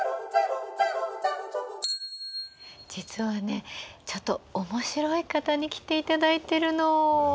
実はねちょっと面白い方に来ていただいてるの。